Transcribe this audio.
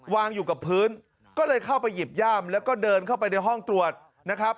วางอยู่กับพื้นก็เลยเข้าไปหยิบย่ามแล้วก็เดินเข้าไปในห้องตรวจนะครับ